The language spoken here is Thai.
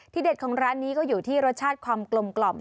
เด็ดของร้านนี้ก็อยู่ที่รสชาติความกลม